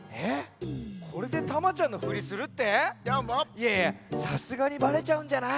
いやいやさすがにバレちゃうんじゃない？